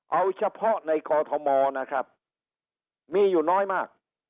เอาเฉพาะในกอทมนะครับมีอยู่น้อยมาก